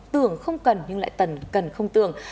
tường không cần nhưng lại tần cần không tường